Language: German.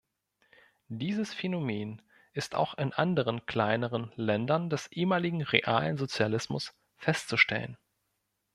Dieses Phänomen ist auch in anderen kleineren Ländern des ehemaligen realen Sozialismus festzustellen.